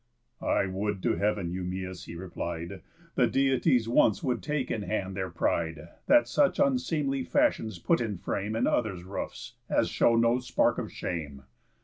"I would to heav'n, Eumæus," he replied, "The Deities once would take in hand their pride, That such unseemly fashions put in frame In others' roofs, as show no spark of shame."